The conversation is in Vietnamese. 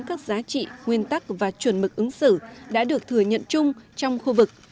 các giá trị nguyên tắc và chuẩn mực ứng xử đã được thừa nhận chung trong khu vực